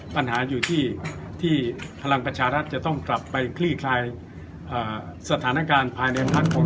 ปัญหาอยู่ที่พลังประชารัฐจะต้องกลับไปคลี่คลายสถานการณ์ภายในพักของเรา